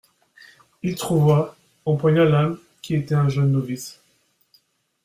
Il trouva, empoigna l'âme, qui était un jeune novice.